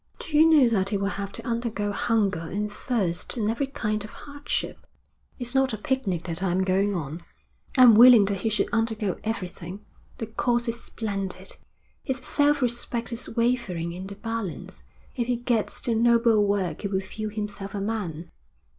'Do you know that he will have to undergo hunger and thirst and every kind of hardship? It's not a picnic that I'm going on.' 'I'm willing that he should undergo everything. The cause is splendid. His self respect is wavering in the balance. If he gets to noble work he will feel himself a man.'